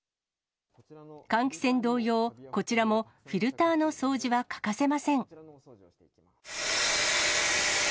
換気扇同様、こちらもフィルターの掃除は欠かせません。